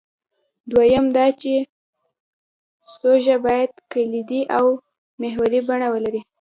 دویم دا چې سوژه باید کلیدي او محوري بڼه ولري.